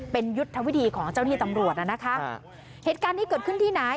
เป็นยุทธวิธีของเจ้าหน้าที่ตำรวจน่ะนะคะเหตุการณ์นี้เกิดขึ้นที่ไหน